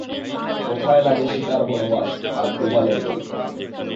কোথায় লাগে সীতার বনবাস আর ড়ুবালের গল্প?